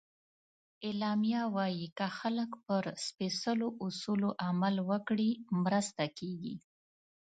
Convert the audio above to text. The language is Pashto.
اعلامیه وایي که خلک پر سپیڅلو اصولو عمل وکړي، مرسته کېږي.